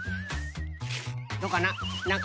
どうかな？